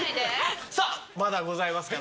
さっまだございますか？